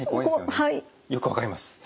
よく分かります。